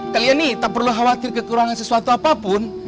kalian ini tak perlu khawatir kekurangan sesuatu apapun